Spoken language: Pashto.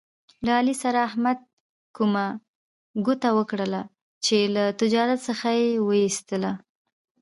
له علي سره احمد کومه ګوته وکړله، چې له تجارت څخه یې و ایستلا.